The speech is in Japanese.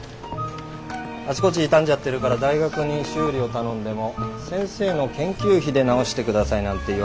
あちこち傷んじゃってるから大学に修理を頼んでも先生の研究費で直してくださいなんて言われんですよ？